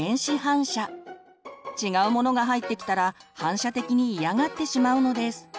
違うものが入ってきたら反射的に嫌がってしまうのです。